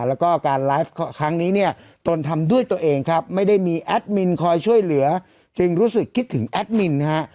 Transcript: แล้วก็การไลฟ์ครั้งนี้เนี่ยตนทำด้วยตัวเองครับไม่ได้มีแอดมินคอยช่วยเหลือจึงรู้สึกคิดถึงแอดมินนะฮะ